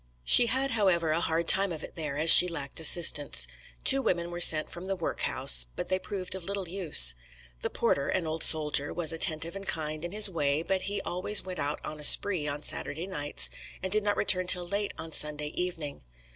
She had, however, a hard time of it there, as she lacked assistants. Two women were sent from the work house, but they proved of little use. The porter, an old soldier, was attentive and kind in his way, but he always went out "on a spree" on Saturday nights, and did not return till late on Sunday evening.